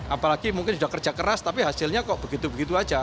apalagi mungkin sudah kerja keras tapi hasilnya kok begitu begitu saja